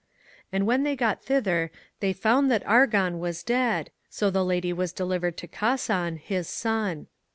And when they got thither they found that Argon was dead, so the Lady was delivered to Casan, his son.